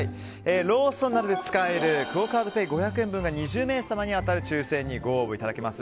ローソンなどで使えるクオ・カードペイ５００円が２０名様に当たる抽選にご応募いただけます。